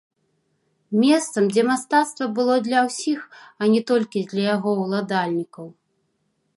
Месцам, дзе мастацтва было для ўсіх, а не толькі для яго ўладальнікаў.